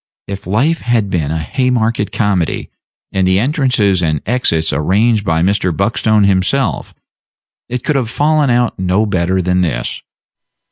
If life had been a Haymarket comedy, and the entrances and exits arranged by Mr. Buckstone himself, it could have fallen out no better than this.